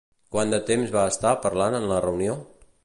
Quant de temps van estar parlant en la reunió?